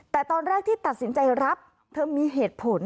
แต่ตอนแรกที่ตัดสินใจรับเธอมีเหตุผล